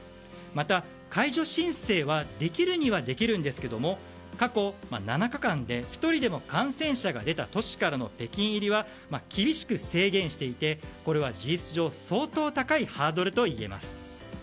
また、解除申請はできるにはできるんですが過去７日間で１人でも感染者が出た都市からの北京入りは厳しく制限していてこれは事実上相当高いハードルといえます。